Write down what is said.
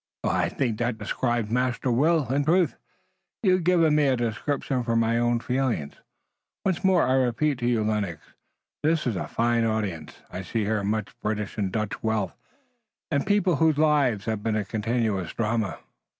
"I think that describes Master Will. In truth, you've given me a description for my own feelings. Once more I repeat to you, Lennox, that 'tis a fine audience. I see here much British and Dutch wealth, and people whose lives have been a continuous drama."